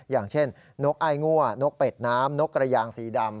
อย่างเช่นนกไอ้งั่นกเป็ดน้ำนกกระยางสีดำ